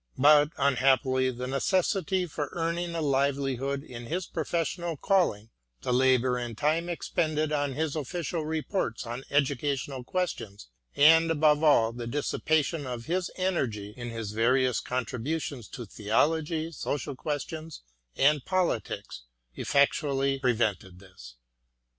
But unhappily the necessity for earning a livelihood in his professional calling, the labour and time expended on his official reports on educational questions, and, above all, the dissipation of his energy in his various contributions to theology, social questions, and politics, effectually prevented this.